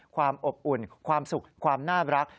ความอบอุ่นความสุขความน่ารัก